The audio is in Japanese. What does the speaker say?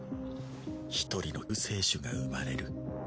１人の救世主が生まれる。